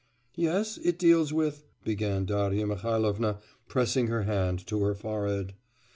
'Yes, it deals with'... began Darya Mihailovna, pressing her hand to her forehead.